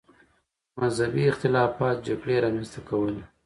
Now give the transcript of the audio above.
مذهبي اختلافات جګړې رامنځته کولې.